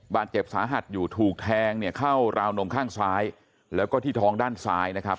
บาดเจ็บสาหัสอยู่ถูกแทงเนี่ยเข้าราวนมข้างซ้ายแล้วก็ที่ท้องด้านซ้ายนะครับ